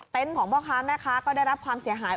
ของพ่อค้าแม่ค้าก็ได้รับความเสียหาย